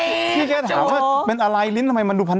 พี่ก็ถามว่าเป็นอะไรลิ้นทำไมมันดูพัน